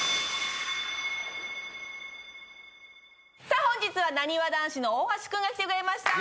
さあ本日はなにわ男子の大橋君が来てくれました。